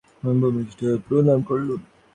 আমি ভূমিষ্ঠ হয়ে প্রণাম করলুম।